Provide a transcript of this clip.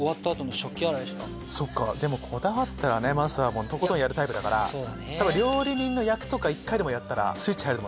でもこだわったらねまさはとことんやるタイプだから料理人の役とか１回でもやったらスイッチ入ると。